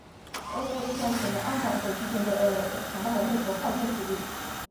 俄国一战前的阿穆尔河区舰队拥有着强大的内河炮舰实力。